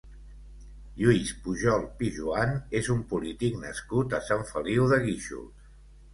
Lluís Pujol Pijuan és un polític nascut a Sant Feliu de Guíxols.